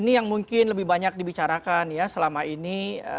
ini yang mungkin lebih banyak dibicarakan ya selama ini